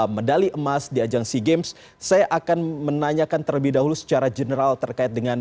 medali emas di ajang sea games saya akan menanyakan terlebih dahulu secara general terkait dengan